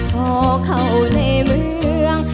เขะเข่าในเมือง